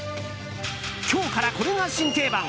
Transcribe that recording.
今日からこれが新定番。